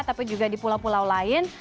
tapi juga di pulau pulau lain